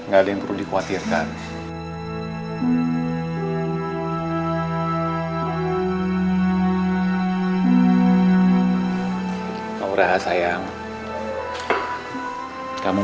gak ada yang serius kan